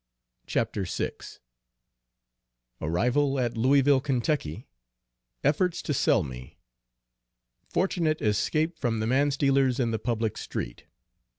CHAPTER VI. _Arrival at Louisville, Ky. Efforts to sell me. Fortunate escape from the man stealers in the public street.